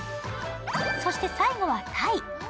そして最後はタイ。